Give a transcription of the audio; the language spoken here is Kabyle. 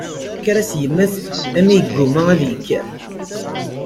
Tekker-as yemma-s almi yeggumma ad ikker.